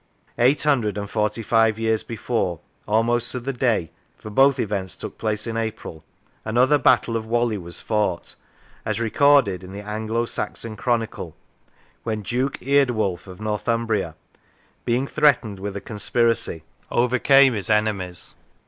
Eight hundred and forty five years before, almost to the day, for both events took place in April, another battle of Whalley was fought, as recorded in the " Anglo Saxon Chronicle," when Duke Eardwulf of Northumbria, being threatened with a conspiracy, overcame his enemies.